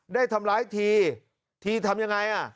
ได้ทำร้ายทีทีทำอย่างไร